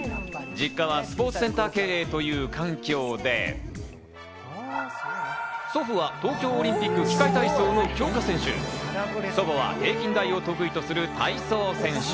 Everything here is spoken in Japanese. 実家はスポーツセンター経営という環境で、祖父は東京オリンピック器械体操の強化選手、祖母は平均台を得意とする体操選手。